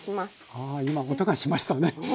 あ今音がしましたね。